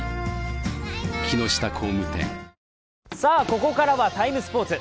ここからは「ＴＩＭＥ，スポーツ」